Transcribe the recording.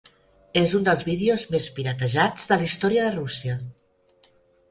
És un dels vídeos més piratejats de la història de Rússia.